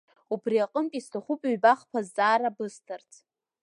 Убри аҟынтә исҭахуп ҩба-хԥа зҵаара бысҭарц.